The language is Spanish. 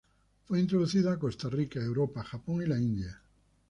Fue introducido a Costa Rica, Europa, Japón y la India.